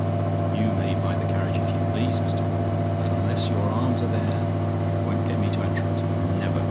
You may buy the carriage if you please, Mr. Caudle; but unless your arms are there, you won't get me to enter it. Never!